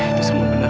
itu semua benar